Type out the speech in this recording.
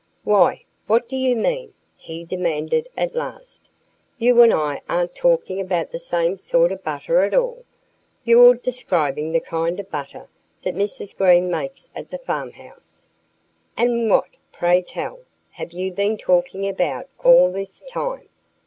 "Why, what do you mean?" he demanded at last. "You and I aren't talking about the same sort of butter at all! You're describing the kind of butter that Mrs. Green makes at the farmhouse." "And what, pray tell, have you been talking about all this time?"